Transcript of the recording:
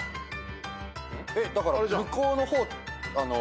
だから向こうの方。